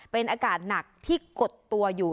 เป็นอากาศหนักที่กดตัวอยู่